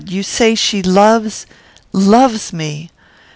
You say she loves, loves me!